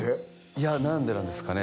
いや何でなんですかね